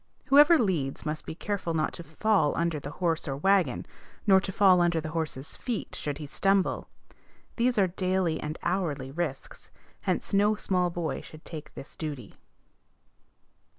Whoever leads must be careful not to fall under the horse or wagon, nor to fall under the horse's feet, should he stumble. These are daily and hourly risks: hence no small boy should take this duty.